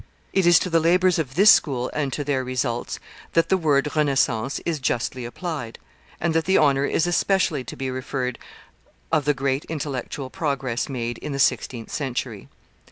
It is to the labors of this school and to their results that the word Renaissance is justly applied, and that the honor is especially to be referred of the great intellectual progress made in the sixteenth century.